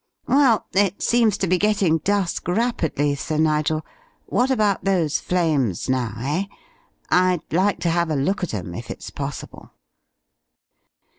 Well, it seems to be getting dusk rapidly, Sir Nigel, what about those flames now, eh? I'd like to have a look at 'em if it's possible."